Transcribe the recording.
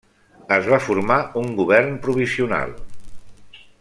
Es va formar un govern provisional.